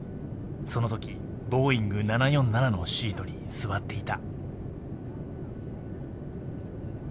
「そのときボーイング７４７のシートに座っていた」